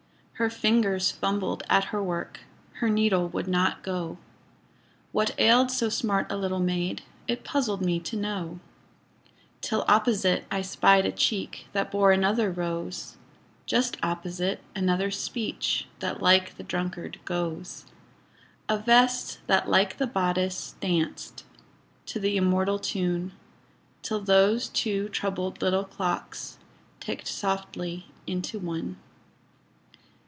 Her fingers fumbled at her work, Her needle would not go; What ailed so smart a little maid It puzzled me to know, Till opposite I spied a cheek That bore another rose; Just opposite, another speech That like the drunkard goes; A vest that, like the bodice, danced To the immortal tune, Till those two troubled little clocks Ticked softly into one.